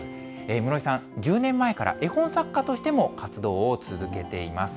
室井さん、１０年前から絵本作家としても活動を続けています。